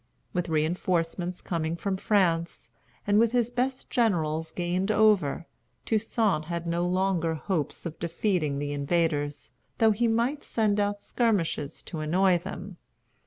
With reinforcements coming from France, and with his best generals gained over, Toussaint had no longer hopes of defeating the invaders, though he might send out skirmishers to annoy them.